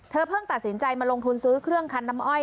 เพิ่งตัดสินใจมาลงทุนซื้อเครื่องคันน้ำอ้อย